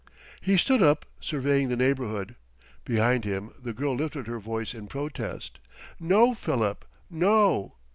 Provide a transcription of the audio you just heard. He stood up, surveying the neighborhood. Behind him the girl lifted her voice in protest. "No, Philip, no!"